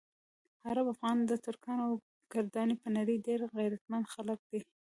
عرب، افغانان، ترکان او کردان په نړۍ ډېر غیرتمند خلک دي.